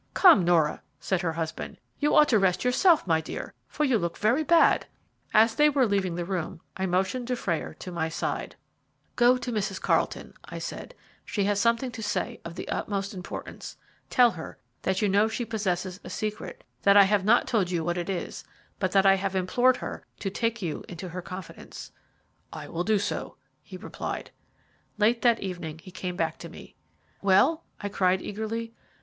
"Come, Nora," said her husband; "you ought to rest yourself, my dear, for you look very bad." As they were leaving the room I motioned Dufrayer to my side. "Go to Mrs. Carlton," I said; "she has something to say of the utmost importance. Tell her that you know she possesses a secret, that I have not told you what it is, but that I have implored her to take you into her confidence." "I will do so," he replied. Late that evening he came back to me. "Well?" I cried eagerly.